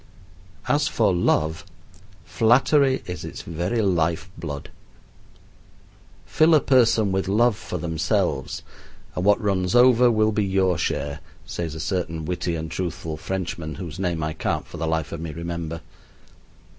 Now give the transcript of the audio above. As for love, flattery is its very life blood. Fill a person with love for themselves, and what runs over will be your share, says a certain witty and truthful Frenchman whose name I can't for the life of me remember.